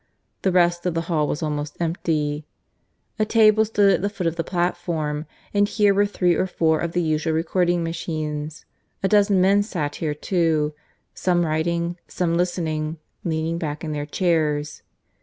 The rest of the hall was almost empty. A table stood at the foot of the platform, and here were three or four of the usual recording machines; a dozen men sat here too, some writing, some listening, leaning back in their chairs.